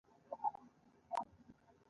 د دولت په ملاتړ بهرنی تجارت پیل شو.